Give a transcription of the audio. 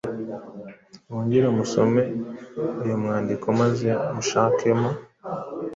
Mwongere musome uyu mwandiko maze mushakemo